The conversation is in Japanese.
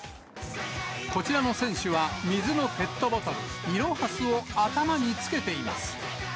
こちらの選手は、水のペットボトル、いろはすを頭につけています。